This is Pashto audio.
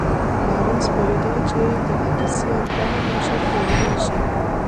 بارنس پوهېده چې د ايډېسن دغه ماشين پلورلای شي.